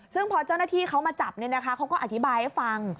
ซึ่งพอเจ้าหน้าที่เขามาจับเขาก็อธิบายให้ฟัง